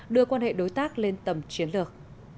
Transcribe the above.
đưa quan hệ đối tác lên tầm chiến lược